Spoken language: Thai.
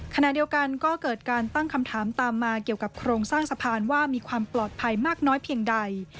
ขณะเดียวกันก็เกิดการตั้งคำถามตามมาเกี่ยวกับโครงสร้างสะพานว่ามีความปลอดภัยมากน้อยเพียงใด